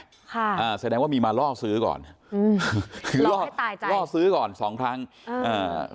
อ่าแสดงว่ามีมาล่อซื้อก่อนอืมคือล่อให้ตายจังล่อซื้อก่อนสองครั้งอ่า